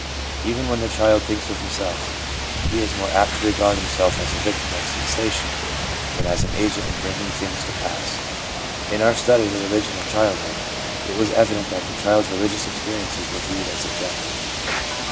Even when the child thinks of himself, he is more apt to regard himself as a victim of sensation than as an agent in bringing things to pass/ 1 In our study of the religion of childhood, it was evident that the child's religious experiences were viewed as objective.